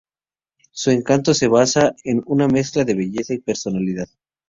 Su encanto se basa en un mezcla de belleza y personalidad.